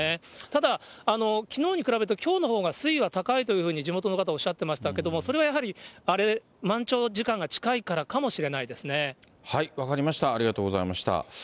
ただ、きのうに比べるときょうのほうが水位は高いというふうに、地元の方はおっしゃってましたけど、それはやはり、満潮時間が近いから分かりました、ありがとうございました。